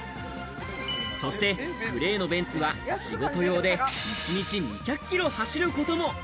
そしてグレーのベンツは仕事用で１日２００キロ走ることも。